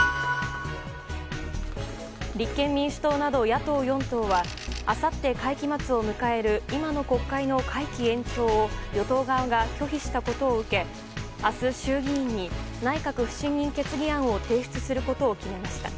立憲民主党など野党４党はあさって会期末を迎える今の国会の会期延長を与党側が拒否したことを受け明日、衆議院に内閣不信任決議案を提出することを決めました。